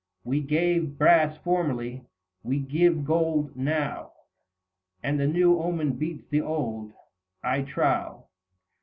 We gave brass formerly, we give gold now, And the new omen beats the old, I trow.